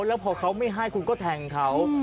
แล้วพอเขาไม่ให้คุณก็แทงเขา